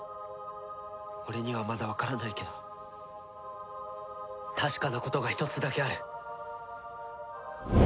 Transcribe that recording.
俺にはまだわからないけど確かなことが一つだけある。